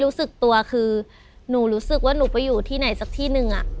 รู้สึกตัวคือหนูรู้สึกว่าหนูไปอยู่ที่ไหนสักที่หนึ่ง